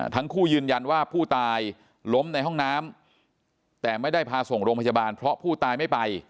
ทั้งคู่ยืนยันว่าผู้ตายล้มในห้องน้ำแต่ไม่ได้พาส่งโรงพยาบาลเพราะผู้ตายไม่ไป